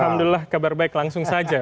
alhamdulillah kabar baik langsung saja